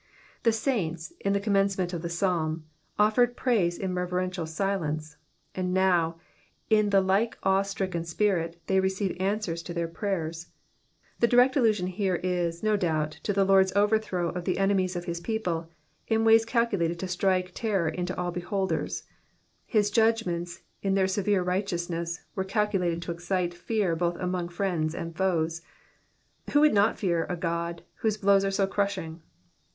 The saints, in the commencement of the Psalm, offered praise in reverential silence ; and now, in the like awe stricken spirit, they receive answers to their prayers. The direct allusion here is, no doubt, to the Lord's overthrow of the enemies of his people in ways calculated to strike terror into all beholders ; his judgments in their severe righteousness were calculated to excite fear both among friends and foes. Who would not fear a God whose blows are so crushing